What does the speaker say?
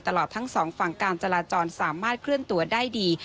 ตลอดทั้งสองฝั่งการจราจรสามารถเคลื่อนตัวได้ดี